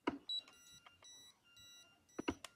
La banda continuó con una larga gira.